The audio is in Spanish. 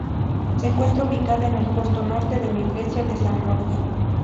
Se encuentra ubicada en el costado norte de la iglesia de San Roque.